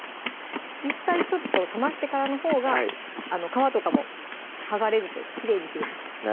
実際ちょっと冷ましてからのほうが皮とかも剥がれずというかきれいに切れます